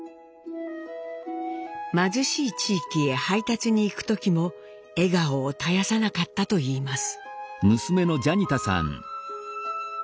貧しい地域へ配達に行く時も笑顔を絶やさなかったといいます。